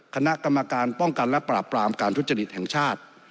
คณะกรรมการป้องกันและปราบปรามการทุจริตแห่งชาติ